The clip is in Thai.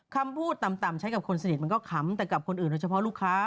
คำพูดต่ำใช้กับคนสนิทมันก็ขำแต่กับคนอื่นโดยเฉพาะลูกค้า